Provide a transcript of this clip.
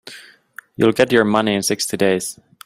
You'll get your money in sixty days.